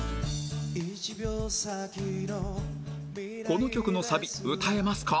この曲のサビ歌えますか？